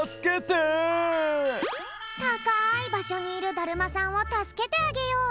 たかいばしょにいるだるまさんをたすけてあげよう！